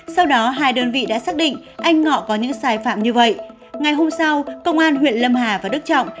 sau đó hai đơn vị đã xác định anh ngọ có những sai phạm như vậy ngày hôm sau công an huyện lâm hà và đức trọng